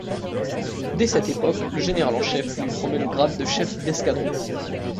Dès cette époque, le général en chef lui promet le grade de chef d'escadron.